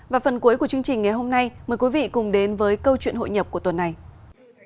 và phần cuối của chương trình ngày hôm nay mời quý vị cùng đến với câu chuyện hội nhập của thủ tướng chính phủ